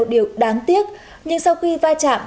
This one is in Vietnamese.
đều đáng tiếc nhưng sau khi va chạm